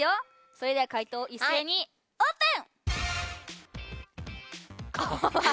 それでは回答を一斉にオープン！